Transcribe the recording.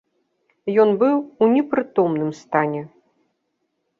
Ён быў у непрытомным стане.